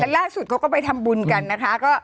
ล่าสุดเขาก็ไปทำบุญกันนะคะ